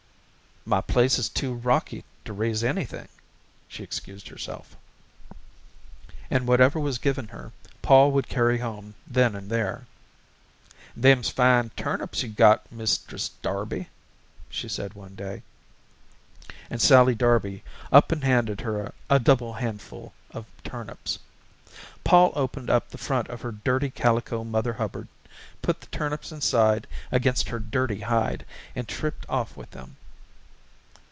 "My place is too rocky to raise anything," she excused herself. And whatever was given her, Pol would carry home then and there. "Them's fine turnips you've got, Mistress Darby," she said one day, and Sallie Darby up and handed her a double handful of turnips. Pol opened the front of her dirty calico mother hubbard, put the turnips inside against her dirty hide and tripped off with them.